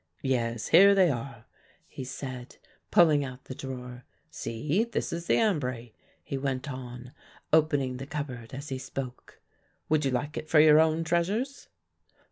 Yes, here they are," he said, pulling out the drawer. "See, this is the ambry," he went on, opening the cupboard as he spoke. "Would you like it for your own treasures?"